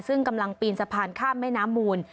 ซึ่งกำลังปีนสะพานข้ามแม่น้ำมูล